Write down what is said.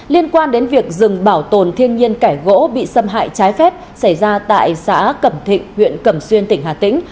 liên quan đến việc rừng bảo tồn thiên nhiên kẻ gỗ bị xâm hại trái phép xảy ra tại xã cẩm thịnh huyện cẩm xuyên tỉnh hà tĩnh